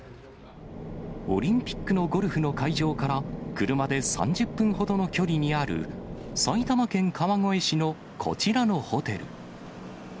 オリンピックのゴルフの会場から車で３０分ほどの距離にある、埼玉県川越市のこちらのホテル。